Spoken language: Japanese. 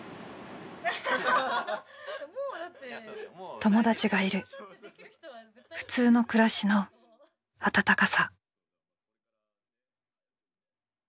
友達がいる普通の暮らしの温かさ。